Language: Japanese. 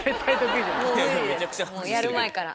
もうやる前から。